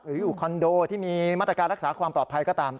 อยู่คอนโดที่มีมาตรการรักษาความปลอดภัยก็ตาม